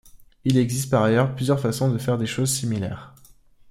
Il existe par ailleurs plusieurs façons de faire des choses similaires.